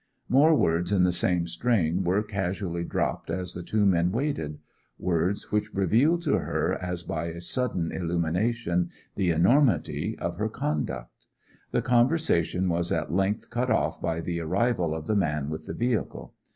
More words in the same strain were casually dropped as the two men waited; words which revealed to her, as by a sudden illumination, the enormity of her conduct. The conversation was at length cut off by the arrival of the man with the vehicle.